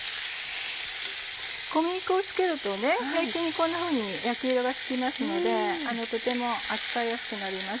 小麦粉を付けるとこんなふうに焼き色がつきますのでとても扱いやすくなります。